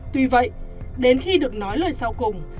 tuy vậy đến khi được nói lời sau cùng